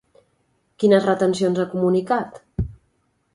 Quines retencions ha comunicat?